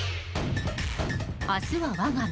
明日は我が身。